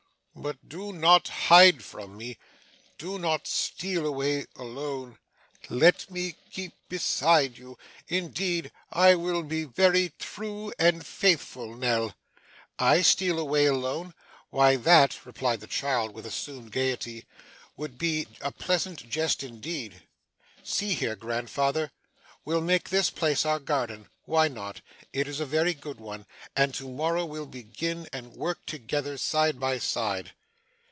But do not hide from me; do not steal away alone; let me keep beside you. Indeed, I will be very true and faithful, Nell.' 'I steal away alone! why that,' replied the child, with assumed gaiety, 'would be a pleasant jest indeed. See here, dear grandfather, we'll make this place our garden why not! It is a very good one and to morrow we'll begin, and work together, side by side.